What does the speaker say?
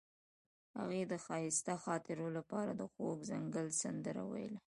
هغې د ښایسته خاطرو لپاره د خوږ ځنګل سندره ویله.